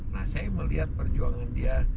nah saya melihat perjuangan dia